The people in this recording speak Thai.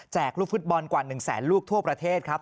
แจกลูกฟุตบอลกว่า๑๐๐๐๐๐ลูกทั่วประเทศครับ